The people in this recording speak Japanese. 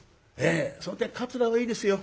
その点「桂」はいいですよ。